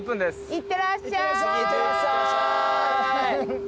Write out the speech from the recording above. いってらっしゃい。